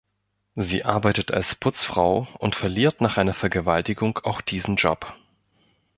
Sie arbeitet als Putzfrau und verliert nach einer Vergewaltigung auch diesen Job.